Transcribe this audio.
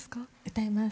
歌います。